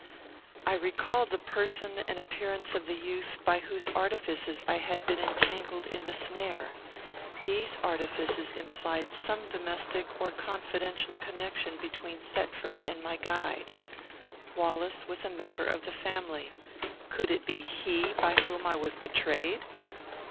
I recalled the person and appearance of the youth by whose artifices I had been entangled in the snare. These artifices implied some domestic or confidential connection between Thetford and my guide. Wallace was a member of the family. Could it be he by whom I was betrayed?